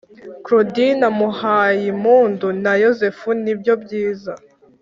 claudine muhayimpundu na yozefu nibyobyiza